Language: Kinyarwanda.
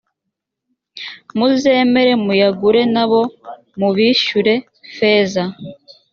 muzemere muyagure na bo mubishyure feza.